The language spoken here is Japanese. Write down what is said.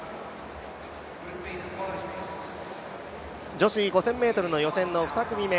女子５０００ｍの予選の２組目。